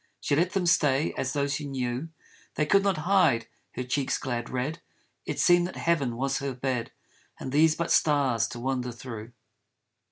She let them stay as though she knew They could not hide her cheek's glad red, It seemed that heaven was her bed And these but stars to wander through.